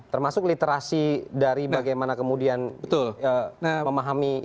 termasuk literasi dari bagaimana kemudian memahami itu ya